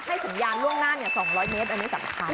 สัญญาณล่วงหน้า๒๐๐เมตรอันนี้สำคัญ